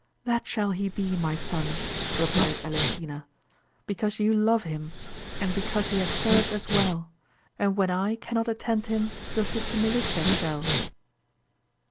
That shall he be, my son, replied Elisena, because you love him and because he has served us well, and when I cannot attend him, your sister Melicia shall.